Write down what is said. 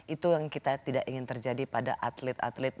itu yang kita tidak ingin terjadi pada atlet atlet